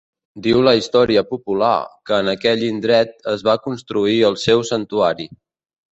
Diu la història popular que en aquell indret es va construir el seu Santuari.